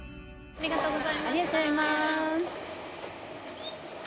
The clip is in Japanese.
ありがとうございます。